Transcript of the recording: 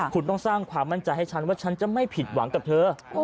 คุณต้องสร้างความมั่นใจให้ฉันว่าฉันจะไม่ผิดหวังกับเธอ